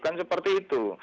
kan seperti itu